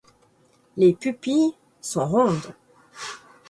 Les pupilles sont rondes.